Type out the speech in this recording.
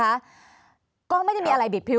ภารกิจสรรค์ภารกิจสรรค์